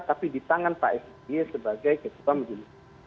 tapi di tangan pak spj sebagai ketua mujur